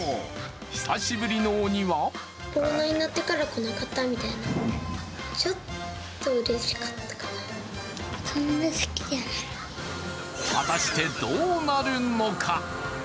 久しぶりの鬼は果たしてどうなるのか？